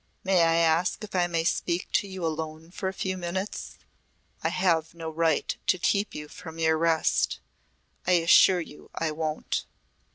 "May I ask if I may speak to you alone for a few minutes? I have no right to keep you from your rest. I assure you I won't."